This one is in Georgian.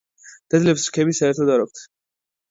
დედლებს რქები საერთოდ არ აქვთ.